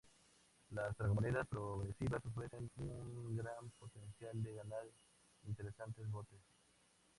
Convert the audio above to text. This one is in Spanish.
Las tragamonedas progresivas ofrecen un gran potencial de ganar interesantes botes.